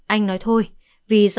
anh nói thôi vì sợ đây là khói